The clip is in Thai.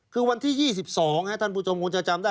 คือวันที่๒๒ท่านผู้ชมคงจะจำได้